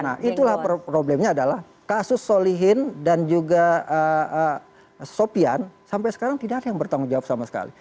nah itulah problemnya adalah kasus solihin dan juga sopian sampai sekarang tidak ada yang bertanggung jawab sama sekali